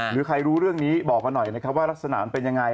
หรือใครรู้เรื่องนี้บอกมาหน่อยนะครับว่ารักษณะมันเป็นยังไง